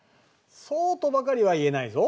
そうとばかりは言えないぞ。